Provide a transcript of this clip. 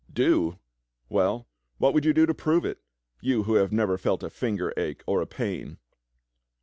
"Do? Well, what w'ould you do to prove it — you who have never felt a finger ache or a pain?"